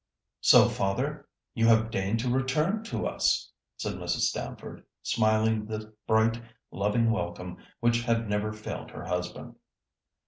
"So, father, you have deigned to return to us!" said Mrs. Stamford, smiling the bright, loving welcome which had never failed her husband.